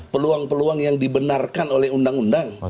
peluang peluang yang dibenarkan oleh undang undang